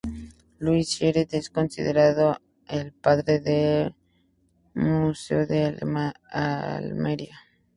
Luis Siret es considerado el padre del Museo de Almería.